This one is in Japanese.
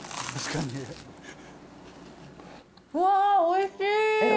うわー、おいしい！